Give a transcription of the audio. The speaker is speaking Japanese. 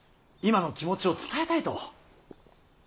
今の気持ちを伝えたいと。